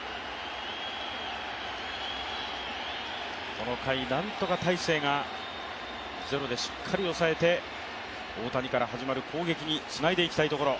この回、何とか大勢がゼロでしっかり抑えて、大谷から始まる攻撃につないでいきたいところ。